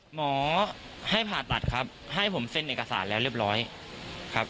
หมอให้ผ่าตัดครับให้ผมเซ็นเอกสารแล้วเรียบร้อยครับ